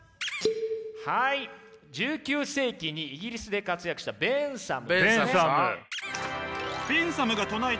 はい１９世紀にイギリスで活躍したベンサム。